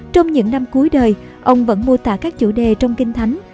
trong những năm cuối đời ông vẫn mô tả các chủ đề trong kinh thánh